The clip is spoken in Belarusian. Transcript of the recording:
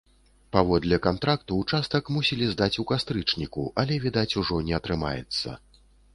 Паводле кантракту ўчастак мусілі здаць у кастрычніку, але, відаць, ужо не атрымаецца.